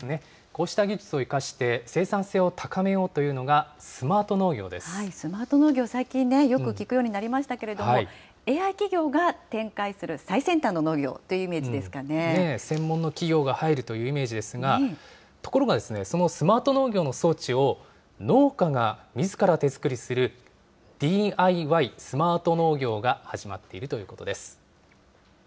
こうした技術を生かして生産性を高めようというのが、スマート農スマート農業、最近ね、よく聞くようになりましたけれども、ＡＩ企業が展開する最先端の農業ージですが、ところが、そのスマート農業の装置を、農家がみずから手作りする、ＤＩＹスマート農業が始まっているということです。